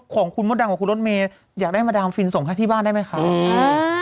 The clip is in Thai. ของคุณมดดำกับคุณรถเมย์อยากได้มาดามฟินส่งให้ที่บ้านได้ไหมคะ